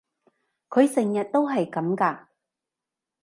佢成日都係噉㗎？